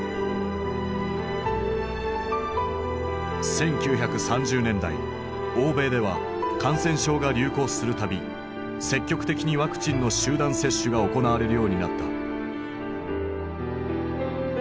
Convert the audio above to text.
１９３０年代欧米では感染症が流行する度積極的にワクチンの集団接種が行われるようになった。